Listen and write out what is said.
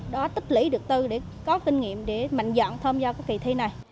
đó tích lý được tư để có kinh nghiệm để mạnh dọn tham gia cái kỳ thi này